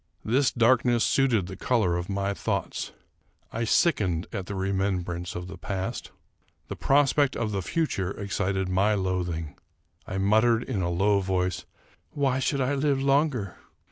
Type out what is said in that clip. This darkness suited the color of my thoughts. I sick ened at the remembrance of the past. The prospect of the future excited my loathing. I muttered, in a low voice, " Why should I live longer